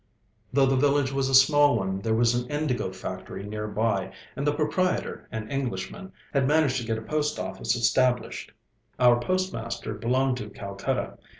Though the village was a small one, there was an indigo factory near by, and the proprietor, an Englishman, had managed to get a post office established. Our postmaster belonged to Calcutta.